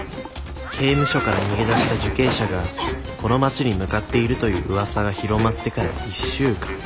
刑務所から逃げ出した受刑者がこの町に向かっているという噂が広まってから１週間。